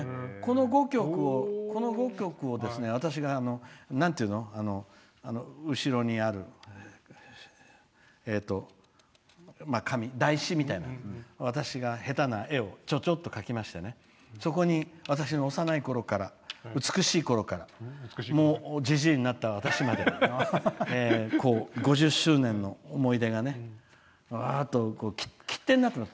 この５曲を私が後ろにある紙、台紙みたいな私が下手な絵をちょちょっと描きましてそこに私の幼いころから美しいころからもう、じじいになった歳まで５０周年の思い出が切手になってます。